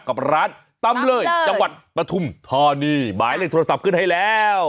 กับร้านตำเลยจังหวัดปฐุมธานีหมายเลขโทรศัพท์ขึ้นให้แล้ว